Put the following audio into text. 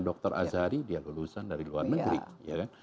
dr azhari dia lulusan dari luar negeri